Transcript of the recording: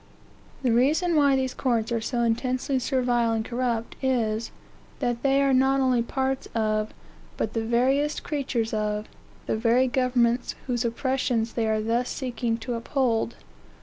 The reason why these courts are so intensely servile and corrupt, is, that they are not only parts of, but the veriest creatures of, the very governments whose oppressions they are thus seeking to uphold.